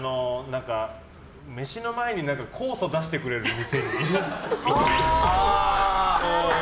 飯の前に、酵素出してくれる店に行くっぽい。